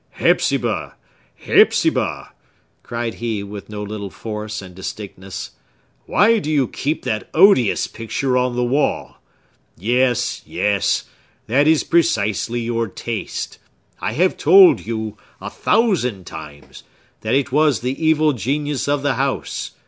"Hepzibah!—Hepzibah!" cried he with no little force and distinctness, "why do you keep that odious picture on the wall? Yes, yes!—that is precisely your taste! I have told you, a thousand times, that it was the evil genius of the house!